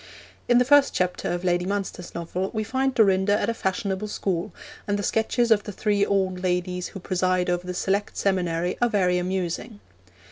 In the first chapter of Lady Munster's novel we find Dorinda at a fashionable school, and the sketches of the three old ladies who preside over the select seminary are very amusing.